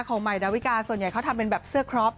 ของใหม่ดาวิกาส่วนใหญ่เขาทำเป็นแบบเสื้อครอบ